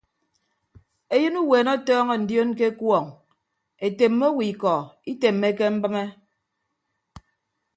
Eyịn uweene ọtọọñọ ndioon ke ekuọñ etemme owo ikọ itemmeke mbịme.